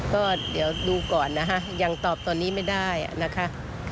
ก็เดี๋ยวดูก่อนนะคะยังตอบตอนนี้ไม่ได้นะคะ